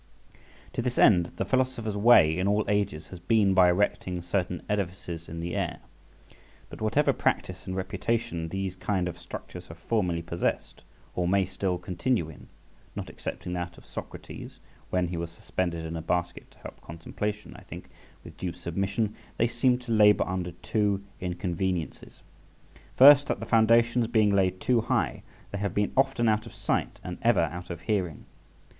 To this end the philosopher's way in all ages has been by erecting certain edifices in the air; but whatever practice and reputation these kind of structures have formerly possessed, or may still continue in, not excepting even that of Socrates when he was suspended in a basket to help contemplation, I think, with due submission, they seem to labour under two inconveniences. First, that the foundations being laid too high, they have been often out of sight and ever out of hearing.